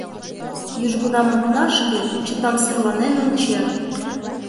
Южгунам окнашке чытамсырланен ончен.